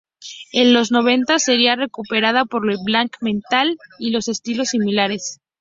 En los noventa sería recuperada por el Black metal y los estilos similares.